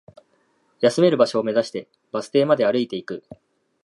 休める場所を目指して、バス停まで歩いていく